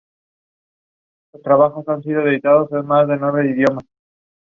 Central Water Commission help state governments in devising and analysing flood control measures.